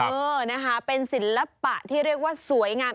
เออนะคะเป็นศิลปะที่เรียกว่าสวยงาม